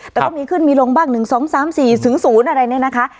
แต่ก็มีขึ้นมีลงบ้าง๑๒๓๔๐อะไรเนี่ยนะคะ